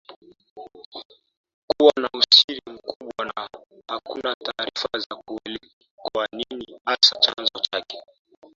kuwa na usiri mkubwa na hakuna taarifa za kueleweka ni nini hasa chanzo chake